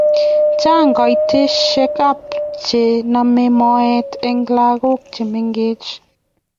Chang kaitoshek ab che name moet en lakok che mengeji